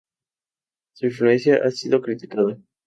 Su influencia ha sido criticada.